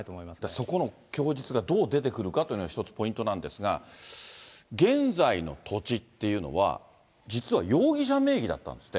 そこの供述がどう出てくるかというのが一つポイントなんですが、現在の土地っていうのは、実は容疑者名義だったんですって。